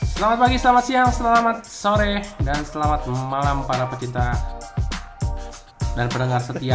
selamat pagi selamat siang selamat sore dan selamat malam para pecinta dan pendengar setia